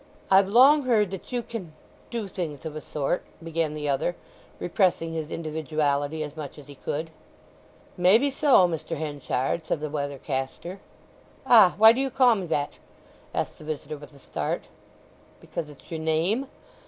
"I've long heard that you can—do things of a sort?" began the other, repressing his individuality as much as he could. "Maybe so, Mr. Henchard," said the weather caster. "Ah—why do you call me that?" asked the visitor with a start. "Because it's your name.